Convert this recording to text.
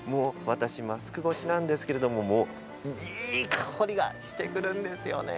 私マスク越しなんですけどいい香りがしてくるんですよね。